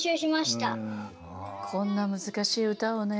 こんな難しい歌をね。